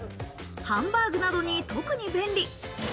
ハンバーグなどに特に便利。